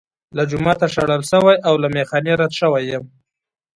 له جوماته شړل شوی او له میخا نه رد شوی یم.